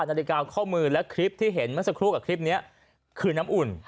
นาฬิกาข้อมือและคลิปที่เห็นเมื่อสักครู่กับคลิปนี้คือน้ำอุ่น